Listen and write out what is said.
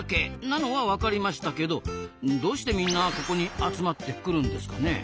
なのはわかりましたけどどうしてみんなここに集まってくるんですかねえ？